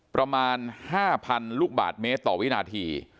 ประมาณ๕๐๐๐ลูกบาทเมตรต่อวินาที